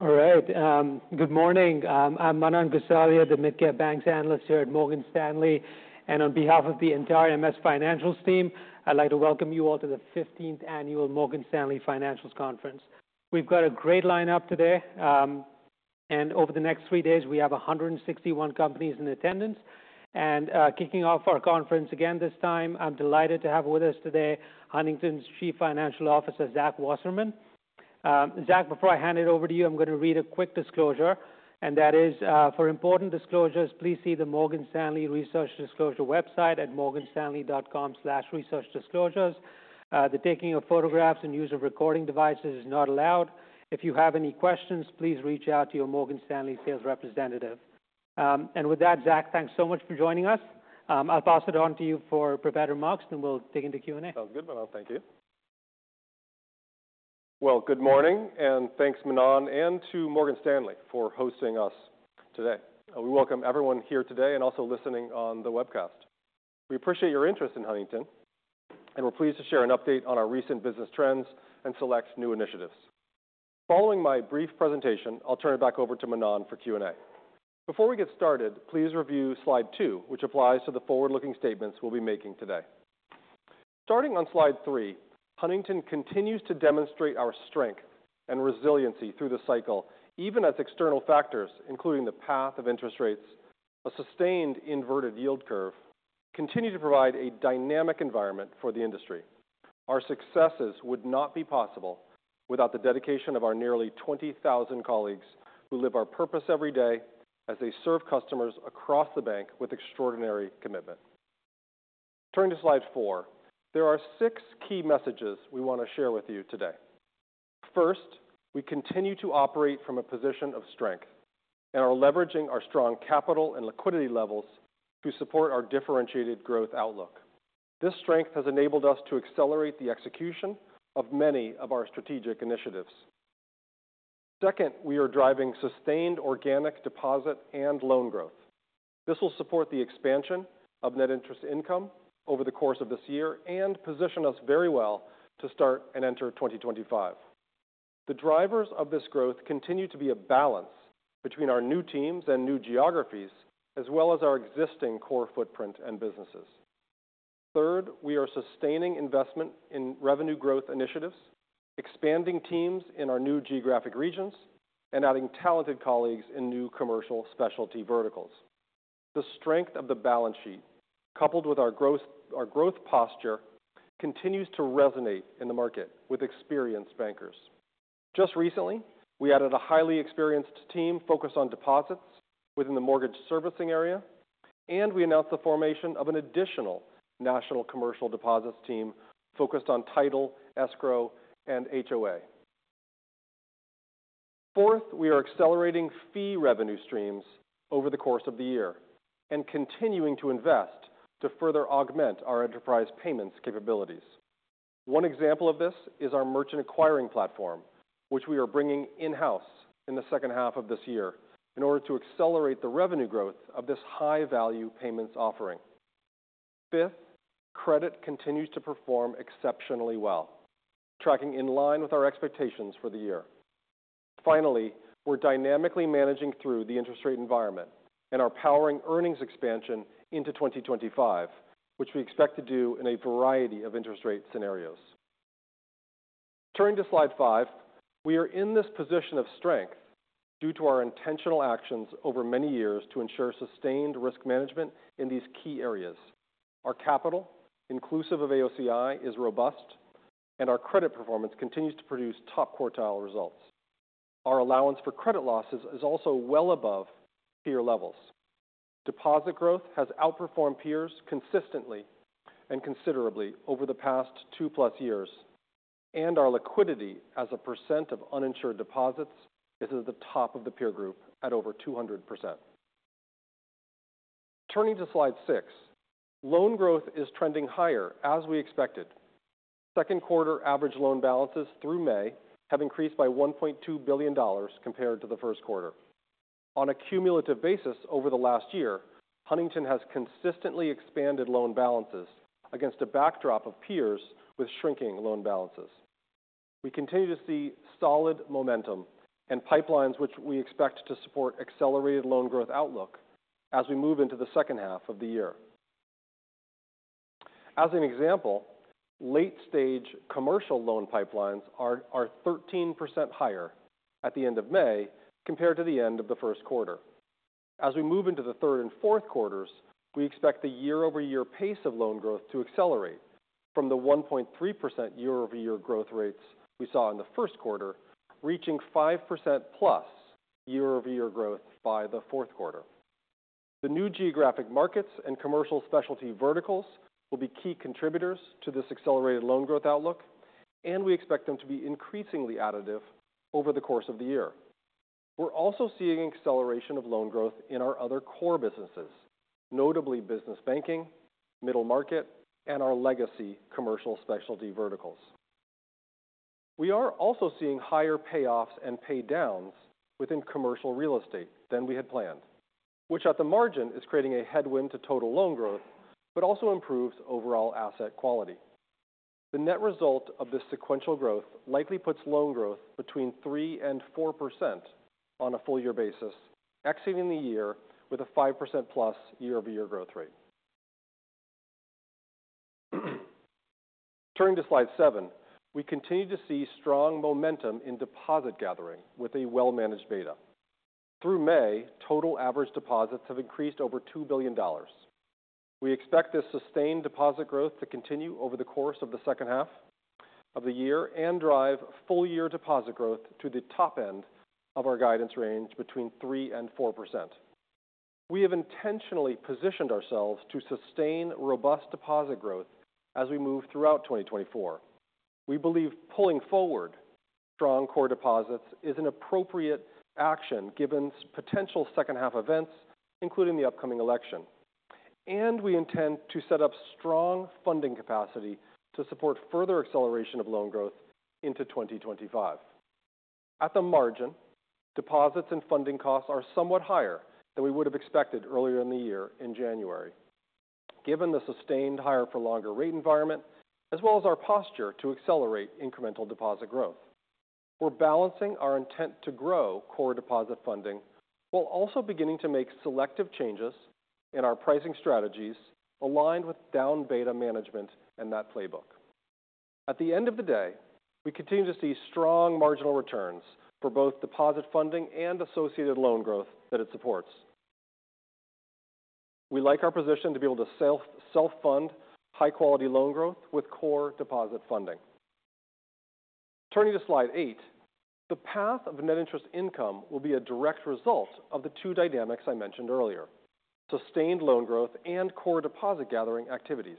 All right. Good morning. I'm Manan Gosalia, the Mid-Cap Banks Analyst here at Morgan Stanley. On behalf of the entire MS Financials team, I'd like to welcome you all to the 15th Annual Morgan Stanley Financials Conference. We've got a great lineup today. Over the next three days, we have 161 companies in attendance. Kicking off our conference again this time, I'm delighted to have with us today Huntington's Chief Financial Officer, Zach Wasserman. Zach, before I hand it over to you, I'm going to read a quick disclosure. That is, for important disclosures, please see the Morgan Stanley Research Disclosure website at morganstanley.com/researchdisclosures. The taking of photographs and use of recording devices is not allowed. If you have any questions, please reach out to your Morgan Stanley sales representative. With that, Zach, thanks so much for joining us. I'll pass it on to you for prepared remarks, then we'll dig into Q&A. Sounds good, Manan. Thank you. Well, good morning. Thanks, Manan, and to Morgan Stanley for hosting us today. We welcome everyone here today and also listening on the webcast. We appreciate your interest in Huntington, and we're pleased to share an update on our recent business trends and select new initiatives. Following my brief presentation, I'll turn it back over to Manan for Q&A. Before we get started, please review slide two, which applies to the forward-looking statements we'll be making today. Starting on slide three, Huntington continues to demonstrate our strength and resiliency through the cycle, even as external factors, including the path of interest rates and a sustained inverted yield curve, continue to provide a dynamic environment for the industry. Our successes would not be possible without the dedication of our nearly 20,000 colleagues who live our purpose every day as they serve customers across the bank with extraordinary commitment. Turning to slide four, there are six key messages we want to share with you today. First, we continue to operate from a position of strength and are leveraging our strong capital and liquidity levels to support our differentiated growth outlook. This strength has enabled us to accelerate the execution of many of our strategic initiatives. Second, we are driving sustained organic deposit and loan growth. This will support the expansion of net interest income over the course of this year and position us very well to start and enter 2025. The drivers of this growth continue to be a balance between our new teams and new geographies, as well as our existing core footprint and businesses. Third, we are sustaining investment in revenue growth initiatives, expanding teams in our new geographic regions, and adding talented colleagues in new commercial specialty verticals. The strength of the balance sheet, coupled with our growth posture, continues to resonate in the market with experienced bankers. Just recently, we added a highly experienced team focused on deposits within the mortgage servicing area, and we announced the formation of an additional national commercial deposits team focused on title, escrow, and HOA. Fourth, we are accelerating fee revenue streams over the course of the year and continuing to invest to further augment our enterprise payments capabilities. One example of this is our merchant acquiring platform, which we are bringing in-house in the second half of this year in order to accelerate the revenue growth of this high-value payments offering. Fifth, credit continues to perform exceptionally well, tracking in line with our expectations for the year. Finally, we're dynamically managing through the interest rate environment and are powering earnings expansion into 2025, which we expect to do in a variety of interest rate scenarios. Turning to slide five, we are in this position of strength due to our intentional actions over many years to ensure sustained risk management in these key areas. Our capital, inclusive of AOCI, is robust, and our credit performance continues to produce top-quartile results. Our allowance for credit losses is also well above peer levels. Deposit growth has outperformed peers consistently and considerably over the past two-plus years. And our liquidity as a percent of uninsured deposits is at the top of the peer group at over 200%. Turning to slide six, loan growth is trending higher as we expected. Second quarter average loan balances through May have increased by $1.2 billion compared to the first quarter. On a cumulative basis over the last year, Huntington has consistently expanded loan balances against a backdrop of peers with shrinking loan balances. We continue to see solid momentum and pipelines which we expect to support accelerated loan growth outlook as we move into the second half of the year. As an example, late-stage commercial loan pipelines are 13% higher at the end of May compared to the end of the first quarter. As we move into the third and fourth quarters, we expect the year-over-year pace of loan growth to accelerate from the 1.3% year-over-year growth rates we saw in the first quarter, reaching 5%+ year-over-year growth by the fourth quarter. The new geographic markets and commercial specialty verticals will be key contributors to this accelerated loan growth outlook, and we expect them to be increasingly additive over the course of the year. We're also seeing acceleration of loan growth in our other core businesses, notably business banking, middle market, and our legacy commercial specialty verticals. We are also seeing higher payoffs and paydowns within commercial real estate than we had planned, which at the margin is creating a headwind to total loan growth, but also improves overall asset quality. The net result of this sequential growth likely puts loan growth between 3% and 4% on a full-year basis, exceeding the year with a 5%+ year-over-year growth rate. Turning to slide seven, we continue to see strong momentum in deposit gathering with a well-managed beta. Through May, total average deposits have increased over $2 billion. We expect this sustained deposit growth to continue over the course of the second half of the year and drive full-year deposit growth to the top end of our guidance range between 3% and 4%. We have intentionally positioned ourselves to sustain robust deposit growth as we move throughout 2024. We believe pulling forward strong core deposits is an appropriate action given potential second-half events, including the upcoming election. And we intend to set up strong funding capacity to support further acceleration of loan growth into 2025. At the margin, deposits and funding costs are somewhat higher than we would have expected earlier in the year in January, given the sustained higher-for-longer rate environment, as well as our posture to accelerate incremental deposit growth. We're balancing our intent to grow core deposit funding while also beginning to make selective changes in our pricing strategies aligned with down beta management and that playbook. At the end of the day, we continue to see strong marginal returns for both deposit funding and associated loan growth that it supports. We like our position to be able to self-fund high-quality loan growth with core deposit funding. Turning to slide eight, the path of net interest income will be a direct result of the two dynamics I mentioned earlier: sustained loan growth and core deposit gathering activities.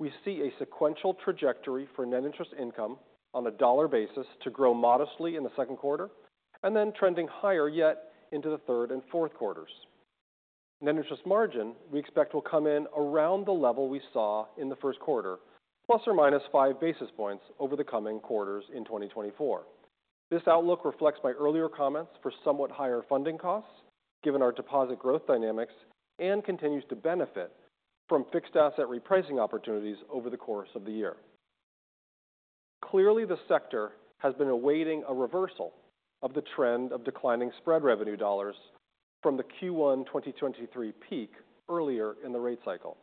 We see a sequential trajectory for net interest income on a dollar basis to grow modestly in the second quarter and then trending higher yet into the third and fourth quarters. Net interest margin we expect will come in around the level we saw in the first quarter, ±5 basis points over the coming quarters in 2024. This outlook reflects my earlier comments for somewhat higher funding costs, given our deposit growth dynamics, and continues to benefit from fixed asset repricing opportunities over the course of the year. Clearly, the sector has been awaiting a reversal of the trend of declining spread revenue dollars from the Q1 2023 peak earlier in the rate cycle.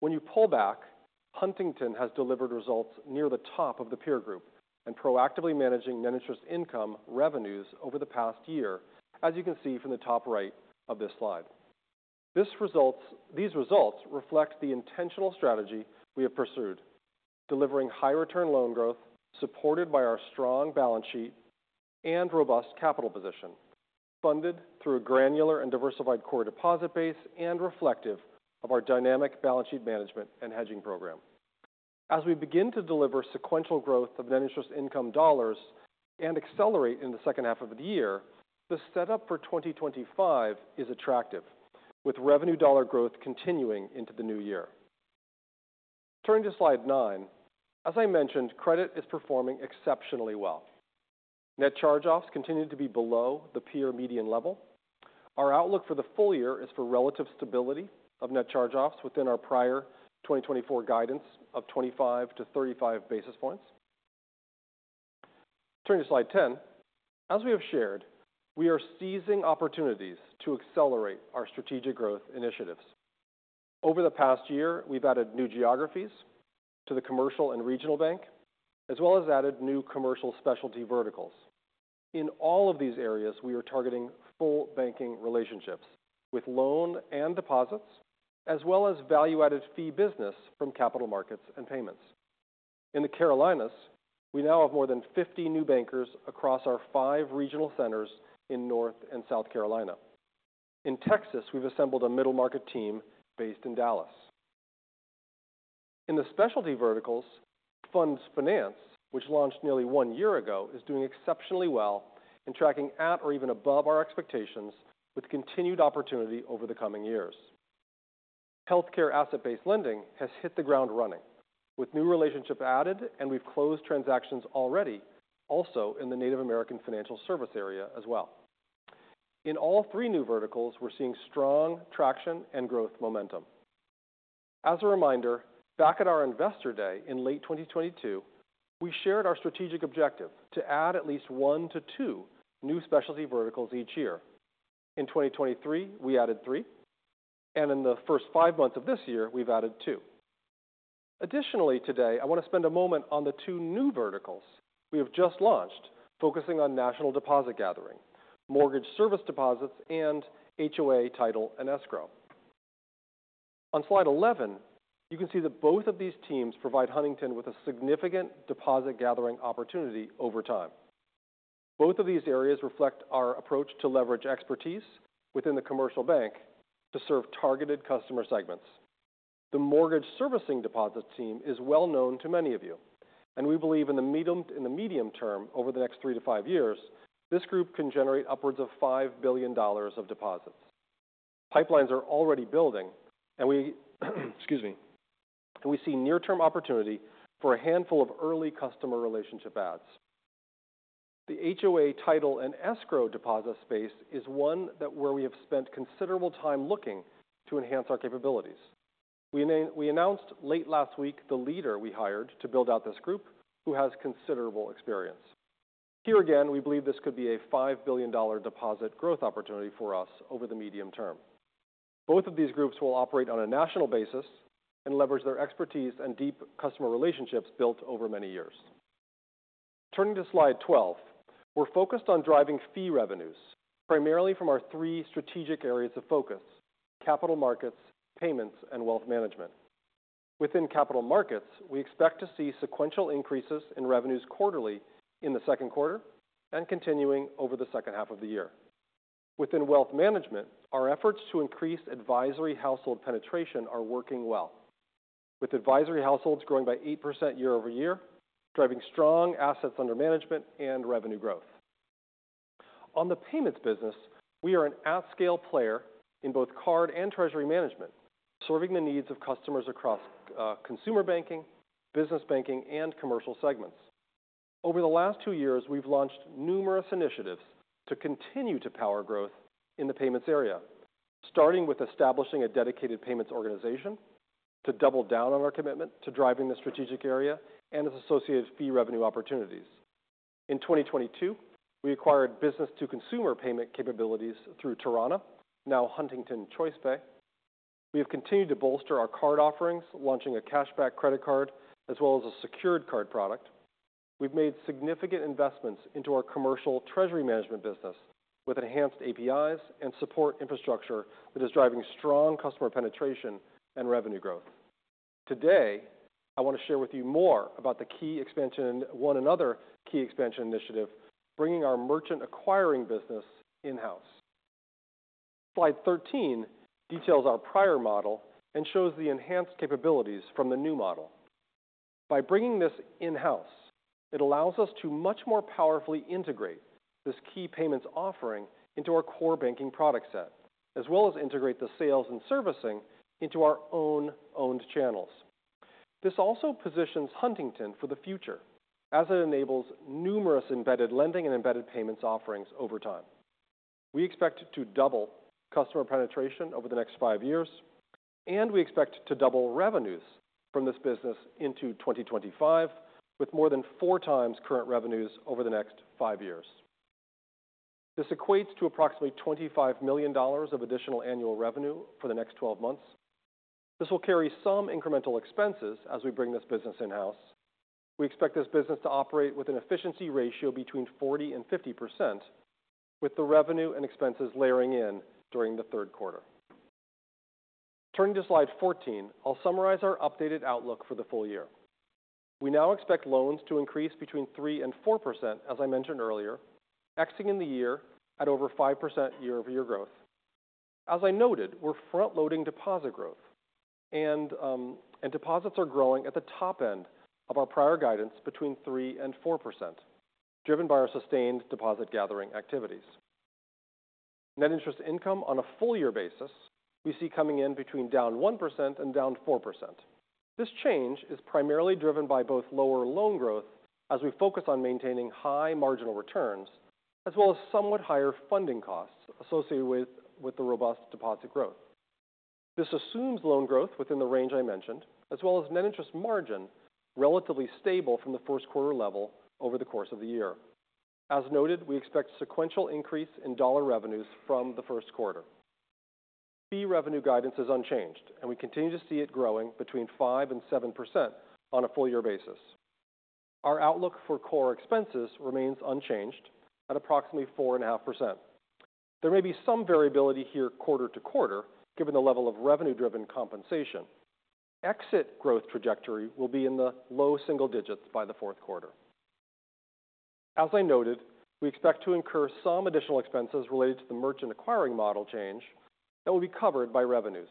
When you pull back, Huntington has delivered results near the top of the peer group and proactively managing net interest income revenues over the past year, as you can see from the top right of this slide. These results reflect the intentional strategy we have pursued, delivering high-return loan growth supported by our strong balance sheet and robust capital position, funded through a granular and diversified core deposit base and reflective of our dynamic balance sheet management and hedging program. As we begin to deliver sequential growth of net interest income dollars and accelerate in the second half of the year, the setup for 2025 is attractive, with revenue dollar growth continuing into the new year. Turning to slide nine, as I mentioned, credit is performing exceptionally well. Net charge-offs continue to be below the peer median level. Our outlook for the full year is for relative stability of net charge-offs within our prior 2024 guidance of 25-35 basis points. Turning to slide 10, as we have shared, we are seizing opportunities to accelerate our strategic growth initiatives. Over the past year, we've added new geographies to the commercial and regional bank, as well as added new commercial specialty verticals. In all of these areas, we are targeting full banking relationships with loan and deposits, as well as value-added fee business from capital markets and payments. In the Carolinas, we now have more than 50 new bankers across our 5 regional centers in North and South Carolina. In Texas, we've assembled a middle market team based in Dallas. In the specialty verticals, Funds Finance, which launched nearly one year ago, is doing exceptionally well in tracking at or even above our expectations, with continued opportunity over the coming years. Healthcare Asset-Based Lending has hit the ground running, with new relationships added, and we've closed transactions already, also in the Native American Financial Service area as well. In all three new verticals, we're seeing strong traction and growth momentum. As a reminder, back at our investor day in late 2022, we shared our strategic objective to add at least one to two new specialty verticals each year. In 2023, we added three, and in the first five months of this year, we've added two. Additionally, today, I want to spend a moment on the two new verticals we have just launched, focusing on national deposit gathering, mortgage service deposits, and HOA, title, and escrow. On Slide 11, you can see that both of these teams provide Huntington with a significant deposit gathering opportunity over time. Both of these areas reflect our approach to leverage expertise within the commercial bank to serve targeted customer segments. The mortgage servicing deposit team is well known to many of you, and we believe in the medium term over the next three to five years, this group can generate upwards of $5 billion of deposits. Pipelines are already building, and we see near-term opportunity for a handful of early customer relationship adds. The HOA, title, and escrow deposit space is one where we have spent considerable time looking to enhance our capabilities. We announced late last week the leader we hired to build out this group, who has considerable experience. Here again, we believe this could be a $5 billion deposit growth opportunity for us over the medium term. Both of these groups will operate on a national basis and leverage their expertise and deep customer relationships built over many years. Turning to slide 12, we're focused on driving fee revenues primarily from our three strategic areas of focus: capital markets, payments, and wealth management. Within capital markets, we expect to see sequential increases in revenues quarterly in the second quarter and continuing over the second half of the year. Within wealth management, our efforts to increase advisory household penetration are working well, with advisory households growing by 8% year-over-year, driving strong assets under management and revenue growth. On the payments business, we are an at-scale player in both card and treasury management, serving the needs of customers across consumer banking, business banking, and commercial segments. Over the last two years, we've launched numerous initiatives to continue to power growth in the payments area, starting with establishing a dedicated payments organization to double down on our commitment to driving the strategic area and its associated fee revenue opportunities. In 2022, we acquired business-to-consumer payment capabilities through Torana, now Huntington ChoicePay. We have continued to bolster our card offerings, launching a cashback credit card as well as a secured card product. We've made significant investments into our commercial treasury management business with enhanced APIs and support infrastructure that is driving strong customer penetration and revenue growth. Today, I want to share with you more about the key expansion and one another key expansion initiative, bringing our merchant acquiring business in-house. Slide 13 details our prior model and shows the enhanced capabilities from the new model. By bringing this in-house, it allows us to much more powerfully integrate this key payments offering into our core banking product set, as well as integrate the sales and servicing into our own owned channels. This also positions Huntington for the future as it enables numerous embedded lending and embedded payments offerings over time. We expect to double customer penetration over the next five years, and we expect to double revenues from this business into 2025 with more than four times current revenues over the next five years. This equates to approximately $25 million of additional annual revenue for the next 12 months. This will carry some incremental expenses as we bring this business in-house. We expect this business to operate with an efficiency ratio between 40%-50%, with the revenue and expenses layering in during the third quarter. Turning to slide 14, I'll summarize our updated outlook for the full year. We now expect loans to increase between 3%-4%, as I mentioned earlier, exiting in the year at over 5% year-over-year growth. As I noted, we're front-loading deposit growth, and deposits are growing at the top end of our prior guidance between 3% and 4%, driven by our sustained deposit gathering activities. Net interest income on a full-year basis we see coming in between down 1% and down 4%. This change is primarily driven by both lower loan growth as we focus on maintaining high marginal returns, as well as somewhat higher funding costs associated with the robust deposit growth. This assumes loan growth within the range I mentioned, as well as net interest margin relatively stable from the first quarter level over the course of the year. As noted, we expect sequential increase in dollar revenues from the first quarter. Fee revenue guidance is unchanged, and we continue to see it growing between 5% and 7% on a full-year basis. Our outlook for core expenses remains unchanged at approximately 4.5%. There may be some variability here quarter to quarter, given the level of revenue-driven compensation, but exit growth trajectory will be in the low single digits by the fourth quarter. As I noted, we expect to incur some additional expenses related to the merchant acquiring model change that will be covered by revenues.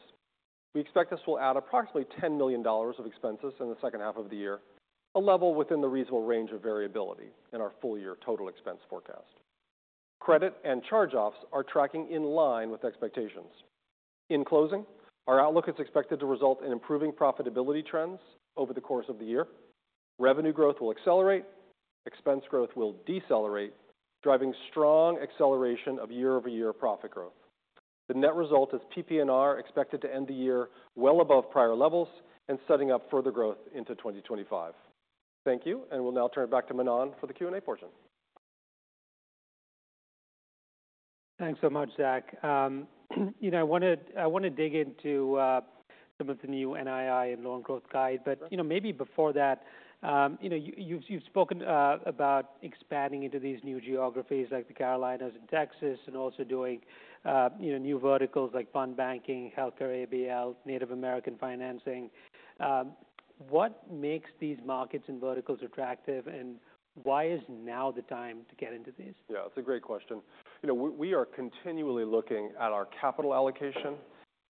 We expect this will add approximately $10 million of expenses in the second half of the year, a level within the reasonable range of variability in our full-year total expense forecast. Credit and charge-offs are tracking in line with expectations. In closing, our outlook is expected to result in improving profitability trends over the course of the year. Revenue growth will accelerate, expense growth will decelerate, driving strong acceleration of year-over-year profit growth. The net result is PP&R expected to end the year well above prior levels and setting up further growth into 2025. Thank you, and we'll now turn it back to Manan for the Q&A portion. Thanks so much, Zach. I want to dig into some of the new NII and loan growth guide, but maybe before that, you've spoken about expanding into these new geographies like the Carolinas and Texas, and also doing new verticals like fund banking, healthcare ABL, Native American financing. What makes these markets and verticals attractive, and why is now the time to get into these? Yeah, that's a great question. We are continually looking at our capital allocation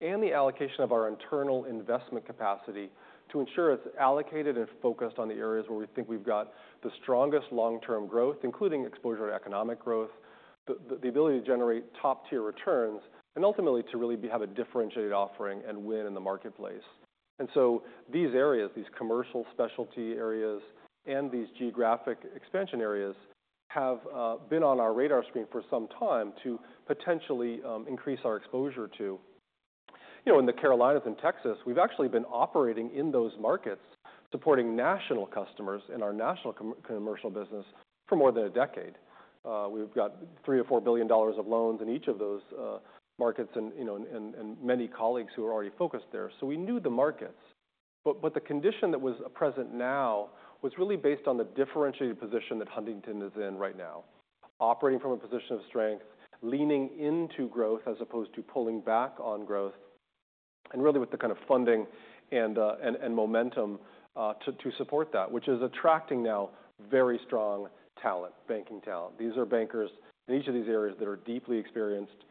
and the allocation of our internal investment capacity to ensure it's allocated and focused on the areas where we think we've got the strongest long-term growth, including exposure to economic growth, the ability to generate top-tier returns, and ultimately to really have a differentiated offering and win in the marketplace. And so these areas, these commercial specialty areas and these geographic expansion areas, have been on our radar screen for some time to potentially increase our exposure to. In the Carolinas and Texas, we've actually been operating in those markets, supporting national customers in our national commercial business for more than a decade. We've got $3 billion or $4 billion of loans in each of those markets and many colleagues who are already focused there. So we knew the markets, but the condition that was present now was really based on the differentiated position that Huntington is in right now, operating from a position of strength, leaning into growth as opposed to pulling back on growth, and really with the kind of funding and momentum to support that, which is attracting now very strong talent, banking talent. These are bankers in each of these areas that are deeply experienced,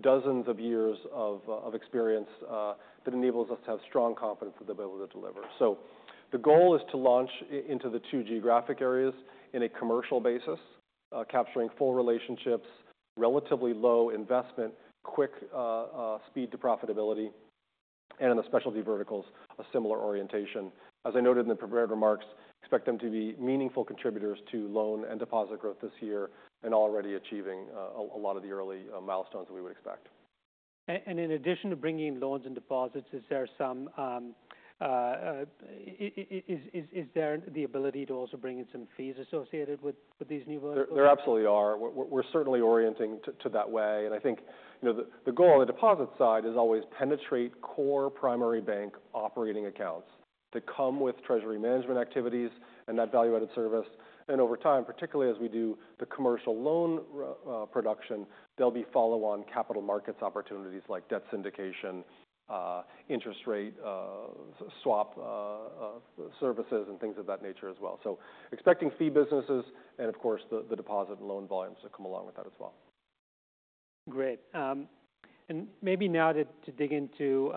dozens of years of experience that enables us to have strong confidence that they'll be able to deliver. So the goal is to launch into the two geographic areas in a commercial basis, capturing full relationships, relatively low investment, quick speed to profitability, and in the specialty verticals, a similar orientation. As I noted in the prepared remarks, expect them to be meaningful contributors to loan and deposit growth this year and already achieving a lot of the early milestones that we would expect. And in addition to bringing loans and deposits, is there the ability to also bring in some fees associated with these new verticals? There absolutely are. We're certainly orienting to that way. I think the goal on the deposit side is always penetrate core primary bank operating accounts that come with treasury management activities and that value-added service. And over time, particularly as we do the commercial loan production, there'll be follow-on capital markets opportunities like debt syndication, interest rate swap services, and things of that nature as well. So expecting fee businesses and, of course, the deposit and loan volumes to come along with that as well. Great. And maybe now to dig into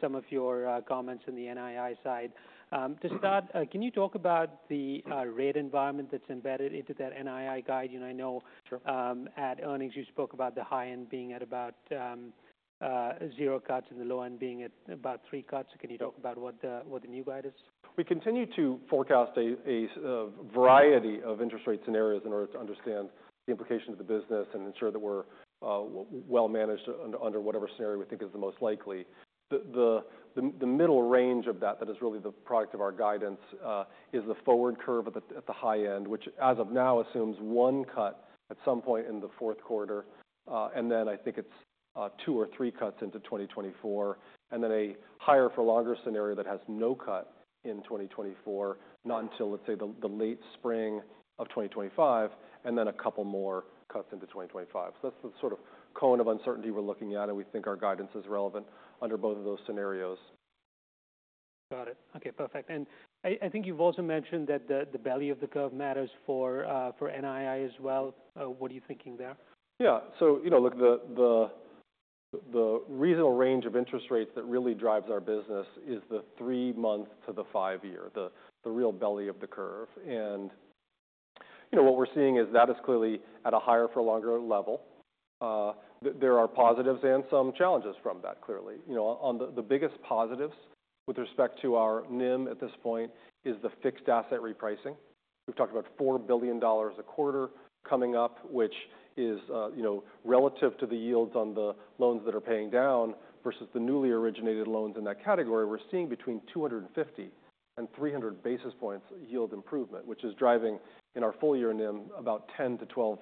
some of your comments on the NII side. To start, can you talk about the rate environment that's embedded into that NII guide? I know at earnings, you spoke about the high end being at about 0 cuts and the low end being at about three cuts. Can you talk about what the new guide is? We continue to forecast a variety of interest rate scenarios in order to understand the implications of the business and ensure that we're well managed under whatever scenario we think is the most likely. The middle range of that, that is really the product of our guidance, is the forward curve at the high end, which as of now assumes one cut at some point in the fourth quarter, and then I think it's two or three cuts into 2024, and then a higher-for-longer scenario that has no cut in 2024, not until, let's say, the late spring of 2025, and then a couple more cuts into 2025. So that's the sort of cone of uncertainty we're looking at, and we think our guidance is relevant under both of those scenarios. Got it. Okay, perfect. I think you've also mentioned that the belly of the curve matters for NII as well. What are you thinking there? Yeah. So look, the reasonable range of interest rates that really drives our business is the three-month to the five-year, the real belly of the curve. And what we're seeing is that is clearly at a higher-for-longer level. There are positives and some challenges from that, clearly. The biggest positives with respect to our NIM at this point is the fixed asset repricing. We've talked about $4 billion a quarter coming up, which is relative to the yields on the loans that are paying down versus the newly originated loans in that category. We're seeing between 250-300 basis points yield improvement, which is driving in our full-year NIM about 10-12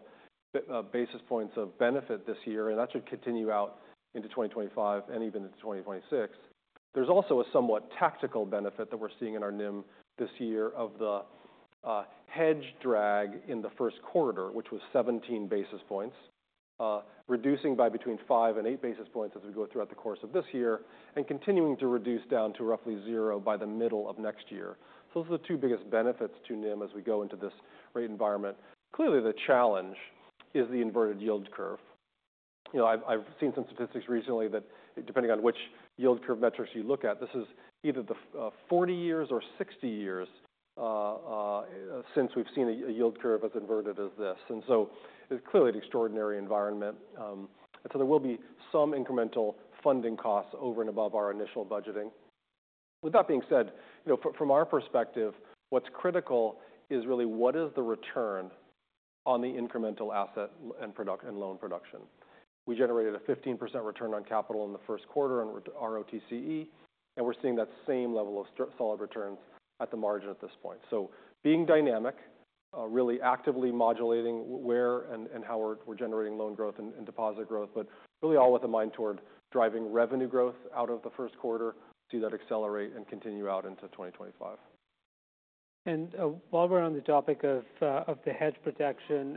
basis points of benefit this year, and that should continue out into 2025 and even into 2026. There's also a somewhat tactical benefit that we're seeing in our NIM this year of the hedge drag in the first quarter, which was 17 basis points, reducing by between 5-8 basis points as we go throughout the course of this year and continuing to reduce down to roughly zero by the middle of next year. So those are the two biggest benefits to NIM as we go into this rate environment. Clearly, the challenge is the inverted yield curve. I've seen some statistics recently that depending on which yield curve metrics you look at, this is either the 40 years or 60 years since we've seen a yield curve as inverted as this. And so it's clearly an extraordinary environment. And so there will be some incremental funding costs over and above our initial budgeting. With that being said, from our perspective, what's critical is really what is the return on the incremental asset and loan production. We generated a 15% return on capital in the first quarter on ROTCE, and we're seeing that same level of solid returns at the margin at this point. So being dynamic, really actively modulating where and how we're generating loan growth and deposit growth, but really all with a mind toward driving revenue growth out of the first quarter to see that accelerate and continue out into 2025. While we're on the topic of the hedge protection,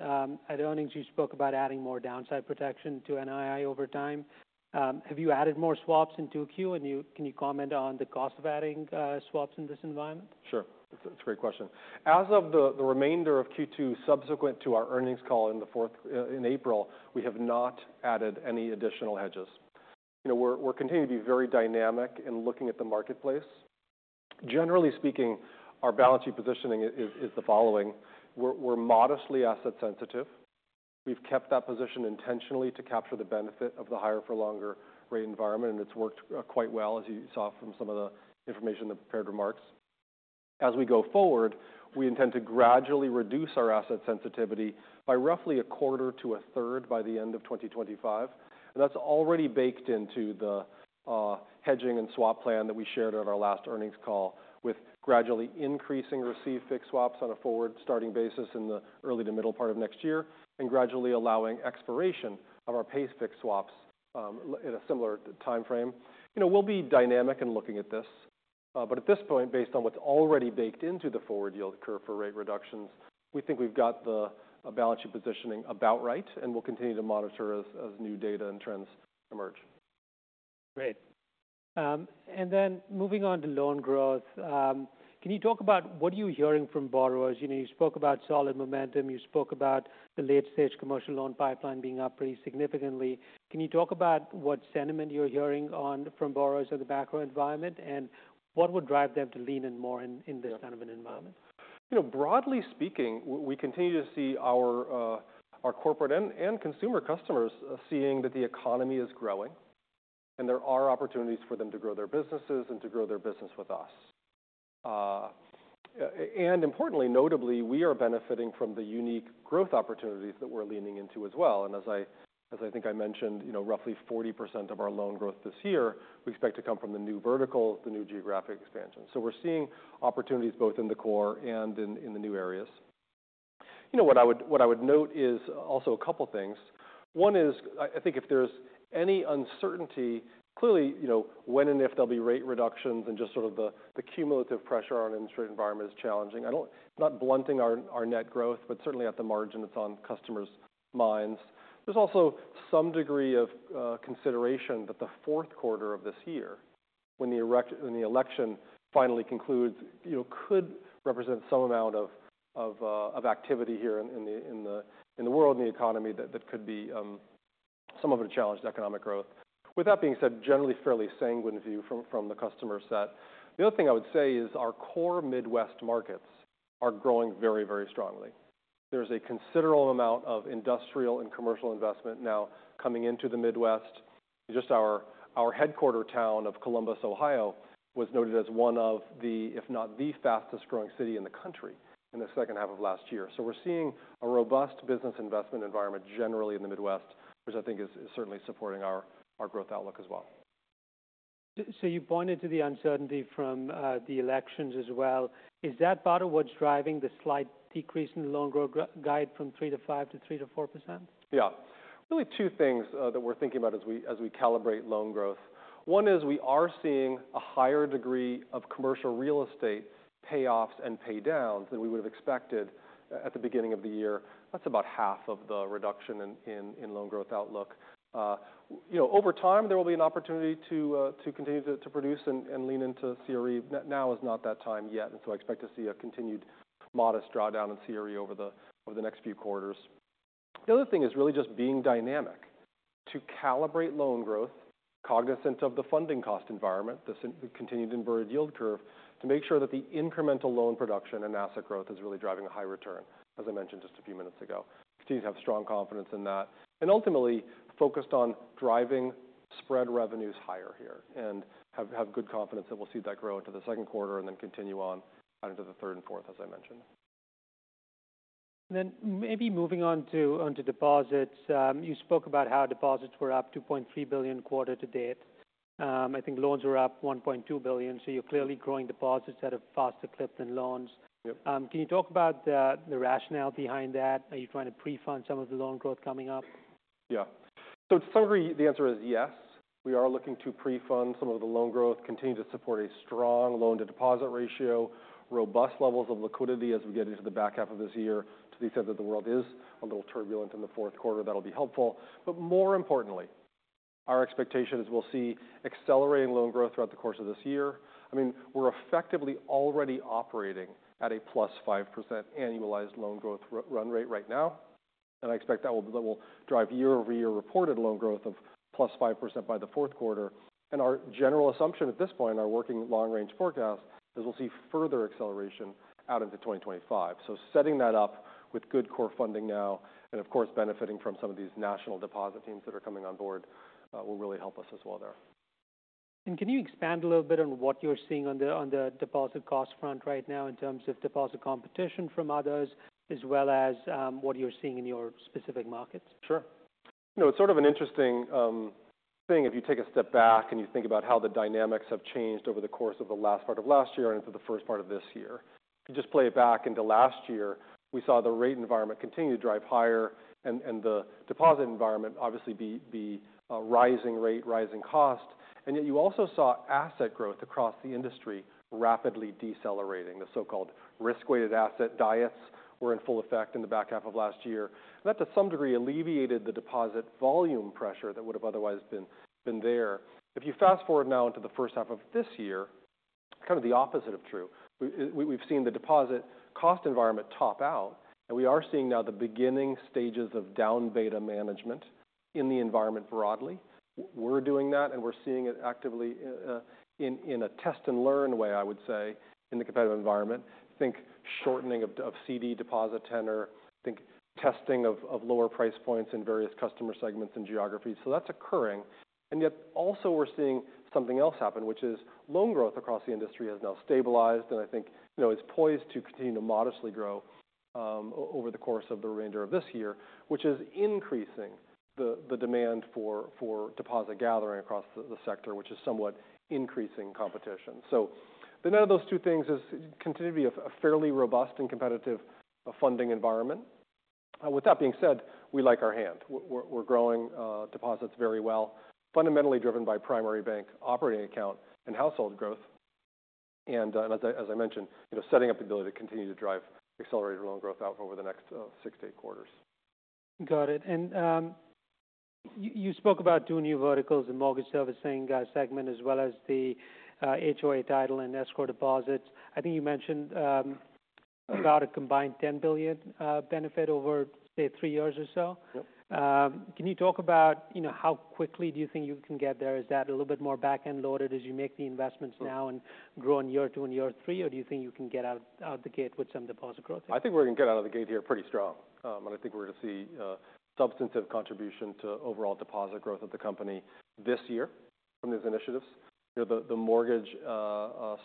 at earnings, you spoke about adding more downside protection to NII over time. Have you added more swaps in Q2, and can you comment on the cost of adding swaps in this environment? Sure. That's a great question. As of the remainder of Q2 subsequent to our earnings call in April, we have not added any additional hedges. We're continuing to be very dynamic in looking at the marketplace. Generally speaking, our balance sheet positioning is the following. We're modestly asset-sensitive. We've kept that position intentionally to capture the benefit of the higher-for-longer rate environment, and it's worked quite well, as you saw from some of the information in the prepared remarks. As we go forward, we intend to gradually reduce our asset sensitivity by roughly a quarter to a third by the end of 2025. That's already baked into the hedging and swap plan that we shared at our last earnings call, with gradually increasing receive-fixed swaps on a forward-starting basis in the early to middle part of next year and gradually allowing expiration of our pay-fixed swaps in a similar timeframe. We'll be dynamic in looking at this, but at this point, based on what's already baked into the forward yield curve for rate reductions, we think we've got the balance sheet positioning about right, and we'll continue to monitor as new data and trends emerge. Great. Then moving on to loan growth, can you talk about what are you hearing from borrowers? You spoke about solid momentum. You spoke about the late-stage commercial loan pipeline being up pretty significantly. Can you talk about what sentiment you're hearing from borrowers in the macro environment and what would drive them to lean in more in this kind of an environment? Broadly speaking, we continue to see our corporate and consumer customers seeing that the economy is growing, and there are opportunities for them to grow their businesses and to grow their business with us. And importantly, notably, we are benefiting from the unique growth opportunities that we're leaning into as well. And as I think I mentioned, roughly 40% of our loan growth this year we expect to come from the new verticals, the new geographic expansion. So we're seeing opportunities both in the core and in the new areas. What I would note is also a couple of things. One is, I think, if there's any uncertainty, clearly when and if there'll be rate reductions and just sort of the cumulative pressure on an interest rate environment is challenging. I'm not blunting our net growth, but certainly at the margin, it's on customers' minds. There's also some degree of consideration that the fourth quarter of this year, when the election finally concludes, could represent some amount of activity here in the world and the economy that could be somewhat of a challenge to economic growth. With that being said, generally fairly sanguine view from the customer set. The other thing I would say is our core Midwest markets are growing very, very strongly. There's a considerable amount of industrial and commercial investment now coming into the Midwest. Just our headquarter town of Columbus, Ohio, was noted as one of the, if not the fastest growing city in the country in the second half of last year. So we're seeing a robust business investment environment generally in the Midwest, which I think is certainly supporting our growth outlook as well. So you pointed to the uncertainty from the elections as well. Is that part of what's driving the slight decrease in the loan growth guide from 3%-5% to 3%-4%? Yeah. Really two things that we're thinking about as we calibrate loan growth. One is we are seeing a higher degree of commercial real estate payoffs and paydowns than we would have expected at the beginning of the year. That's about half of the reduction in loan growth outlook. Over time, there will be an opportunity to continue to produce and lean into CRE. Now is not that time yet, and so I expect to see a continued modest drawdown in CRE over the next few quarters. The other thing is really just being dynamic to calibrate loan growth, cognizant of the funding cost environment, the continued inverted yield curve, to make sure that the incremental loan production and asset growth is really driving a high return, as I mentioned just a few minutes ago. Continue to have strong confidence in that. And ultimately, focused on driving spread revenues higher here and have good confidence that we'll see that grow into the second quarter and then continue on into the third and fourth, as I mentioned. Then maybe moving on to deposits. You spoke about how deposits were up $2.3 billion quarter to date. I think loans were up $1.2 billion, so you're clearly growing deposits at a faster clip than loans. Can you talk about the rationale behind that? Are you trying to pre-fund some of the loan growth coming up? Yeah. So to some degree, the answer is yes. We are looking to pre-fund some of the loan growth, continue to support a strong loan-to-deposit ratio, robust levels of liquidity as we get into the back half of this year to the extent that the world is a little turbulent in the fourth quarter. That'll be helpful. But more importantly, our expectation is we'll see accelerating loan growth throughout the course of this year. I mean, we're effectively already operating at a +5% annualized loan growth run rate right now, and I expect that will drive year-over-year reported loan growth of +5% by the fourth quarter. And our general assumption at this point, our working long-range forecast, is we'll see further acceleration out into 2025. So setting that up with good core funding now and, of course, benefiting from some of these national deposit teams that are coming on board will really help us as well there. And can you expand a little bit on what you're seeing on the deposit cost front right now in terms of deposit competition from others, as well as what you're seeing in your specific markets? Sure. It's sort of an interesting thing if you take a step back and you think about how the dynamics have changed over the course of the last part of last year and into the first part of this year. If you just play it back into last year, we saw the rate environment continue to drive higher and the deposit environment obviously be rising rate, rising cost. And yet you also saw asset growth across the industry rapidly decelerating. The so-called risk-weighted asset diets were in full effect in the back half of last year. That, to some degree, alleviated the deposit volume pressure that would have otherwise been there. If you fast forward now into the first half of this year, kind of the opposite of true. We've seen the deposit cost environment top out, and we are seeing now the beginning stages of down beta management in the environment broadly. We're doing that, and we're seeing it actively in a test-and-learn way, I would say, in the competitive environment. Think shortening of CD deposit tenor, think testing of lower price points in various customer segments and geographies. That's occurring. Yet also we're seeing something else happen, which is loan growth across the industry has now stabilized and I think is poised to continue to modestly grow over the course of the remainder of this year, which is increasing the demand for deposit gathering across the sector, which is somewhat increasing competition. So the net of those two things is continuing to be a fairly robust and competitive funding environment. With that being said, we like our hand. We're growing deposits very well, fundamentally driven by primary bank operating account and household growth. And as I mentioned, setting up the ability to continue to drive accelerated loan growth out for over the next six to eight quarters. Got it. And you spoke about two new verticals in mortgage servicing segment as well as the HOA title and escrow deposits. I think you mentioned about a combined $10 billion benefit over, say, three years or so. Can you talk about how quickly do you think you can get there? Is that a little bit more back-end loaded as you make the investments now and grow in year two and year three, or do you think you can get out the gate with some deposit growth? I think we're going to get out of the gate here pretty strong, and I think we're going to see substantive contribution to overall deposit growth of the company this year from these initiatives. The mortgage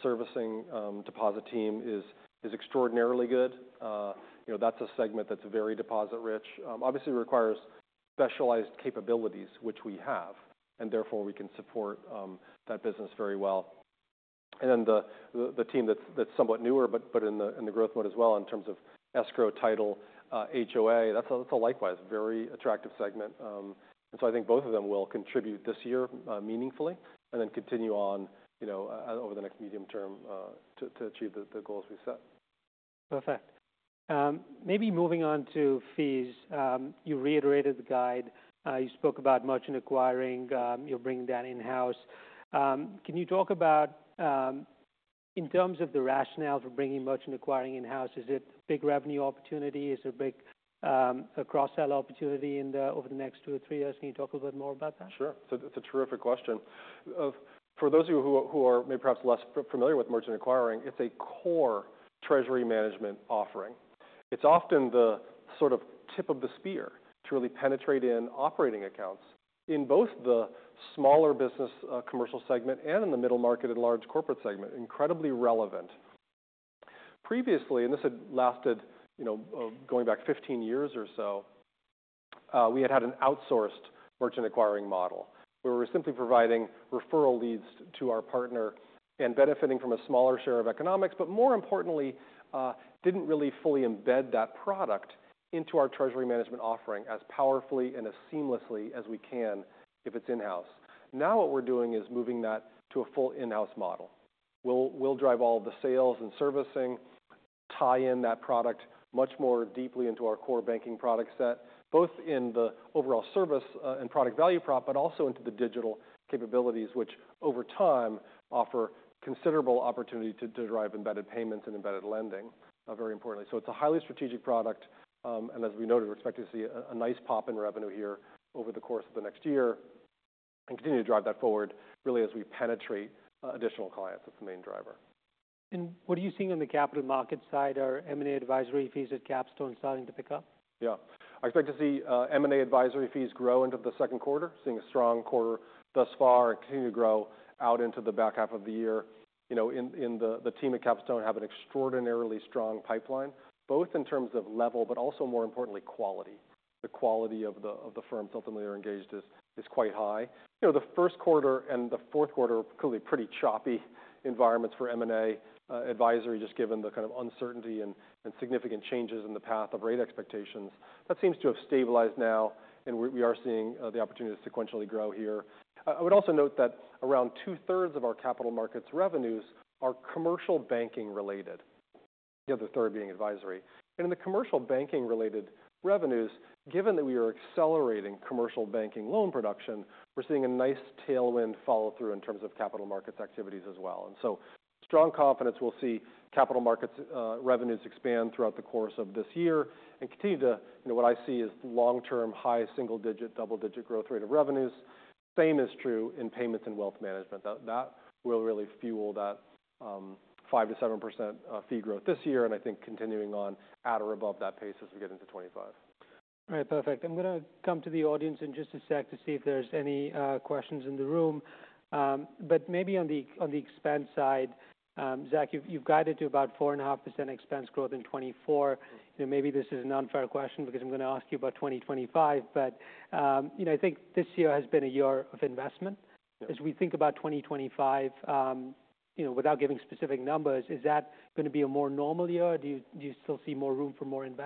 servicing deposit team is extraordinarily good. That's a segment that's very deposit-rich. Obviously, it requires specialized capabilities, which we have, and therefore we can support that business very well. And then the team that's somewhat newer but in the growth mode as well in terms of escrow title, HOA, that's a likewise very attractive segment. And so I think both of them will contribute this year meaningfully and then continue on over the next medium term to achieve the goals we set. Perfect. Maybe moving on to fees. You reiterated the guide. You spoke about Merchant Acquiring. You're bringing that in-house. Can you talk about, in terms of the rationale for bringing Merchant Acquiring in-house, is it big revenue opportunity? Is there a big cross-sell opportunity over the next two or three years? Can you talk a little bit more about that? Sure. It's a terrific question. For those of you who are maybe perhaps less familiar with Merchant Acquiring, it's a core treasury management offering. It's often the sort of tip of the spear to really penetrate in operating accounts in both the smaller business commercial segment and in the middle market and large corporate segment, incredibly relevant. Previously, this had lasted going back 15 years or so, we had had an outsourced merchant acquiring model. We were simply providing referral leads to our partner and benefiting from a smaller share of economics, but more importantly, didn't really fully embed that product into our treasury management offering as powerfully and as seamlessly as we can if it's in-house. Now what we're doing is moving that to a full in-house model. We'll drive all of the sales and servicing, tie in that product much more deeply into our core banking product set, both in the overall service and product value prop, but also into the digital capabilities, which over time offer considerable opportunity to drive embedded payments and embedded lending very importantly. So it's a highly strategic product, and as we noted, we're expecting to see a nice pop in revenue here over the course of the next year and continue to drive that forward really as we penetrate additional clients. That's the main driver. And what are you seeing on the capital market side? Are M&A advisory fees at Capstone starting to pick up? Yeah. I expect to see M&A advisory fees grow into the second quarter, seeing a strong quarter thus far and continue to grow out into the back half of the year. The team at Capstone have an extraordinarily strong pipeline, both in terms of level, but also more importantly, quality. The quality of the firms ultimately are engaged is quite high. The first quarter and the fourth quarter are clearly pretty choppy environments for M&A advisory, just given the kind of uncertainty and significant changes in the path of rate expectations. That seems to have stabilized now, and we are seeing the opportunity to sequentially grow here. I would also note that around t2/3 of our capital markets revenues are commercial banking related, the other third being advisory. In the commercial banking related revenues, given that we are accelerating commercial banking loan production, we're seeing a nice tailwind follow-through in terms of capital markets activities as well. So strong confidence we'll see capital markets revenues expand throughout the course of this year and continue to what I see is long-term high single-digit, double-digit growth rate of revenues. Same is true in payments and wealth management. That will really fuel that 5%-7% fee growth this year, and I think continuing on at or above that pace as we get into 2025. All right. Perfect. I'm going to come to the audience in just a sec to see if there's any questions in the room. Maybe on the expense side, Zach, you've guided to about 4.5% expense growth in 2024. Maybe this is an unfair question because I'm going to ask you about 2025, but I think this year has been a year of investment. As we think about 2025, without giving specific numbers, is that going to be a more normal year? Do you still see more room for more investment?